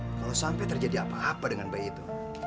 tapi kalau sampai terjadi apa apa dengan bayi itu